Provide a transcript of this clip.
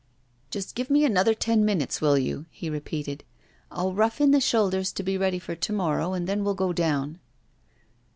'Just give me another ten minutes, will you?' he repeated. 'I will rough in the shoulders to be ready for to morrow, and then we'll go down.